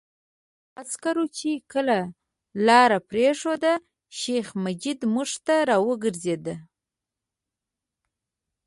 عسکرو چې کله لاره پرېښوده، شیخ مجید موږ ته را وګرځېد.